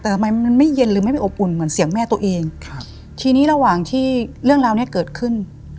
แต่ทำไมมันไม่เย็นหรือไม่ไปอบอุ่นเหมือนเสียงแม่ตัวเองครับทีนี้ระหว่างที่เรื่องราวเนี้ยเกิดขึ้น